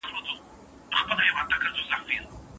هغه هلک د خپلي نظریې په اړه خبري وکړې.